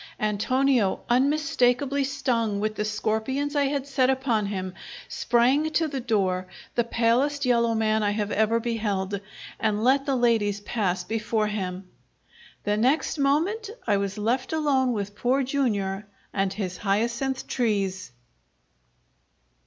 Antonio, unmistakably stung with the scorpions I had set upon him, sprang to the door, the palest yellow man I have ever beheld, and let the ladies pass before him. The next moment I was left alone with Poor Jr. and his hyacinth trees.